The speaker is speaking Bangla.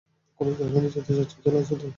কোন জাহান্নামে যেতে চাচ্ছো খেয়াল আছে তো?